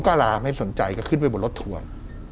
ก็ลาไม่สนใจก็ขึ้นไปบนรถทัวร์